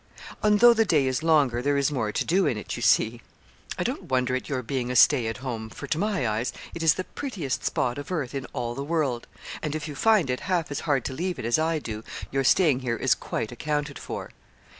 And though the day is longer, there is more to do in it, you see.' 'I don't wonder at your being a stay at home, for, to my eyes, it is the prettiest spot of earth in all the world; and if you find it half as hard to leave it as I do, your staying here is quite accounted for.'